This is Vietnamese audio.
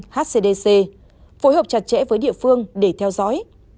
hcdc phối hợp chặt chẽ với địa phương để theo dõi